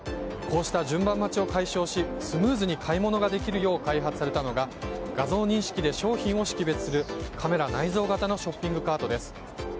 こうした順番待ちを解消しスムーズに買い物ができるよう開発されたのが画像認識で商品を識別するカメラ内蔵型のショッピングカートです。